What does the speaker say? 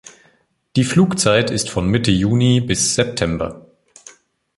Die Flugzeit ist von Mitte Juni bis September.